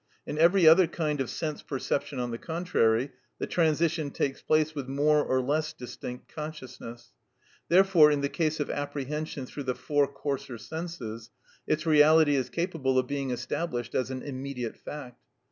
In every other kind of sense perception, on the contrary, the transition takes place with more or less distinct consciousness; therefore, in the case of apprehension through the four coarser senses, its reality is capable of being established as an immediate fact.